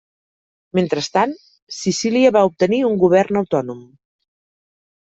Mentrestant, Sicília va obtenir un govern autònom.